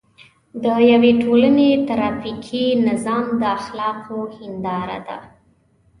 د یوې ټولنې ټرافیکي نظام د اخلاقو هنداره ده.